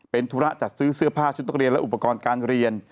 เป็นธุระจัดซื้อเสื้อผ้าชุดนักเรียนและอุปกรณ์การเรียน